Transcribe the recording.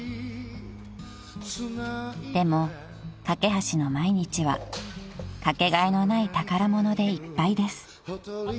［でもかけはしの毎日はかけがえのない宝物でいっぱいです］